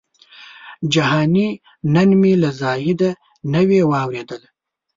جهاني نن مي له زاهده نوې واورېدله